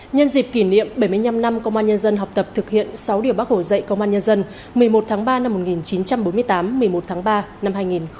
nhân dịp kỷ niệm bảy mươi năm năm công an nhân dân học tập thực hiện sáu điều bác hồ dạy công an nhân dân một mươi một tháng ba năm một nghìn chín trăm bốn mươi tám một mươi một tháng ba năm hai nghìn hai mươi